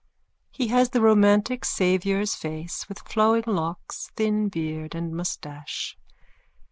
He has the romantic Saviour's face with flowing locks, thin beard and moustache.